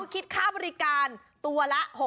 คิดค่าบริการตัวละ